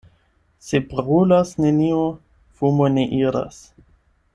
Se brulas nenio, fumo ne iras.